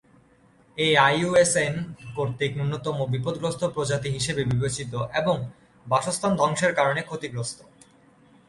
এটি আইইউসিএন কর্তৃক ন্যূনতম বিপদগ্রস্ত প্রজাতি হিসেবে বিবেচিত এবং বাসস্থান ধ্বংসের কারণে ক্ষতিগ্রস্ত।